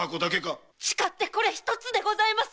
誓ってこれ一つでございます！